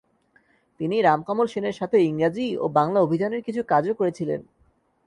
তিনি রামকমল সেনের সাথে ইংরাজী ও বাংলা অভিধানের কিছু কাজও করেছিলেন।